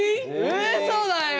うそだよ！